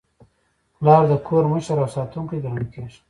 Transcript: پلار د کور مشر او ساتونکی ګڼل کېږي.